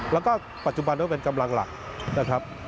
แล้วก็ปัจจุบันต้องเป็นกำลังหลักนะครับ